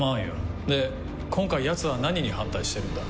で今回ヤツは何に反対してるんだ？